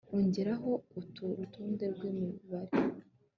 Ongeraho uru rutonde rwimibare